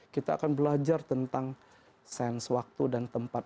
kita akan belajar tentang sense waktu dan tempat